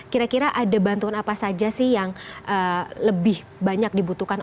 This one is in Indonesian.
kira kira ada bantuan apa saja sih yang lebih banyak dibutuhkan